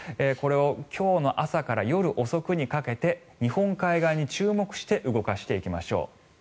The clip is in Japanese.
今日の朝から夜遅くにかけて日本海側に注目して動かしていきましょう。